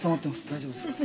大丈夫ですか？